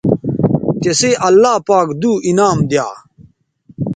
تسئ اللہ پاک دو انعام دی یا